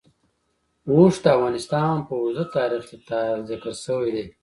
اوښ د افغانستان په اوږده تاریخ کې ذکر شوی دی.